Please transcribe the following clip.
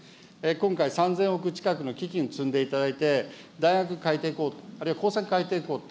今回、３０００億近くの基金積んでいただいて、大学を変えていこう、あるいは高専を変えていこうと。